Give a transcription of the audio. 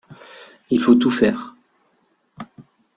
Il faut tout faire !